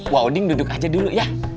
wowding duduk aja dulu ya